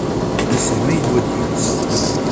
Wissen ma yenwa ad d-yas.